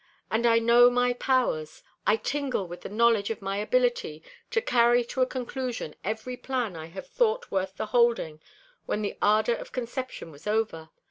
And I know my powers! I tingle with the knowledge of my ability to carry to a conclusion every plan I have thought worth the holding when the ardor of conception was over.